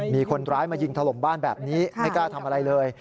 มีคนร้ายมายิงถล่มบ้านแบบนี้ไม่กล้าทำอะไรเลย